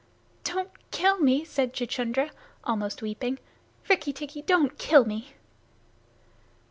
"Don't kill me," said Chuchundra, almost weeping. "Rikki tikki, don't kill me!"